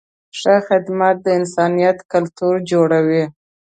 ښه خدمت د انسانیت کلتور جوړوي.